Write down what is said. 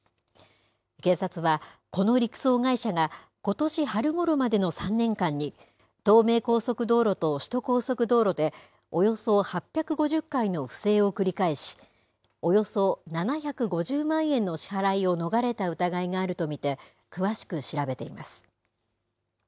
警察は、この陸送会社がことし春ごろまでの３年間に、東名高速道路と首都高速道路で、およそ８５０回の不正を繰り返し、およそ７５０万円の支払いを逃れた疑いがあると見て、詳しく調べています。